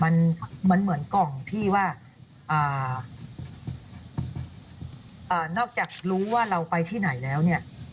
มันเหมือนกล่องที่ว่านอกจากรู้ว่าเราไปที่ไหนแล้วเนี่ย